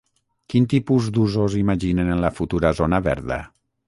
Quin tipus d’usos imaginen en la futura zona verda?